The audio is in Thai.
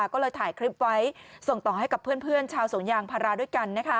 ก็เลยถ่ายคลิปไว้ส่งต่อให้กับเพื่อนชาวสวนยางพาราด้วยกัน